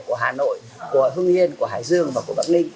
của hà nội của hưng yên của hải dương và của bắc ninh